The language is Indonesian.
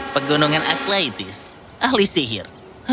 pegunungan aklaitis ahli sihir